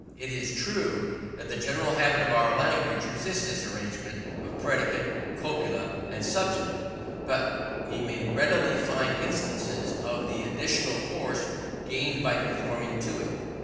It is true that the general habit of our language resists this arrangement of predicate, copula and subject; but we may readily find instances of the additional force gained by conforming to it.